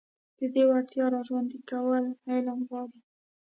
د دې وړتيا راژوندي کول علم غواړي.